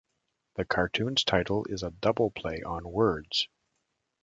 The cartoon's title is a double play on words.